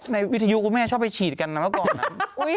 วิทยุคุณแม่ชอบไปฉีดกันนะเมื่อก่อนนะ